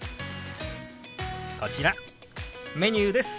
こちらメニューです。